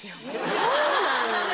そうなんだ